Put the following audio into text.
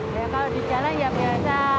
ya kalau di jalan ya biasa